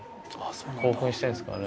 興奮してんですかね。